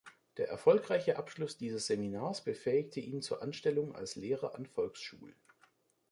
Der erfolgreiche Abschluss dieses Seminars befähigte ihn zur Anstellung als Lehrer an Volksschulen.